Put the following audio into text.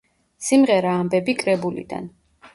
სიმღერა „ამბები“ კრებულიდან.